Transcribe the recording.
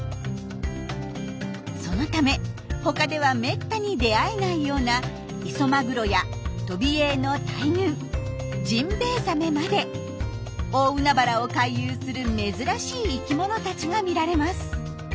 そのためほかではめったに出会えないようなイソマグロやトビエイの大群ジンベエザメまで大海原を回遊する珍しい生きものたちが見られます。